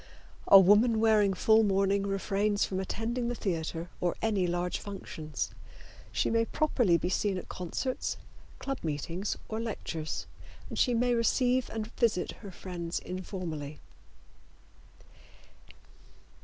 A woman wearing full mourning refrains from attending the theater or any large functions. She may properly be seen at concerts, club meetings or lectures, and she may receive and visit her friends informally.